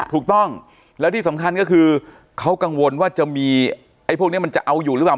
ถูกต้องแล้วที่สำคัญก็คือเขากังวลว่าจะมีไอ้พวกนี้มันจะเอาอยู่หรือเปล่า